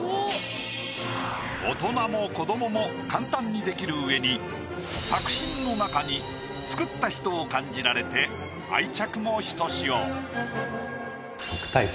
大人も子どもも簡単にできるうえに作品の中に作った人を感じられて愛着もひとしお。